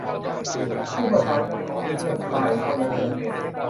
ผู้ประสานงานของเครือข่ายพลเมืองเน็ต